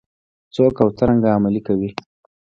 څوک او څرنګه عملي کوي؟